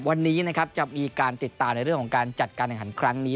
วันนี้นะครับจะมีการติดตามในเรื่องของการจัดการแห่งขันครั้งนี้